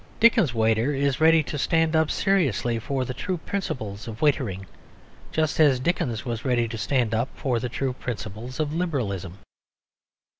Dickens's waiter is ready to stand up seriously for "the true principles of waitering," just as Dickens was ready to stand up for the true principles of Liberalism.